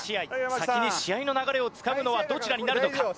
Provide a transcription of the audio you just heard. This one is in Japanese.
先に試合の流れをつかむのはどちらになるのか？